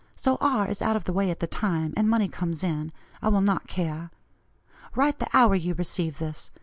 So R. is out of the way at the time, and money comes in, I will not care. Write the hour you receive this.